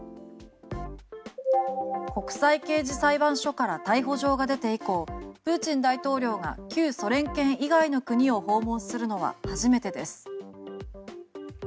国際刑事裁判所から逮捕状が出て以降プーチン大統領が旧ソ連圏以外の国を訪問するのは初めてです。